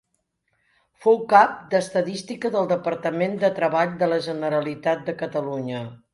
Fou cap d'estadística del Departament de Treball de la Generalitat de Catalunya.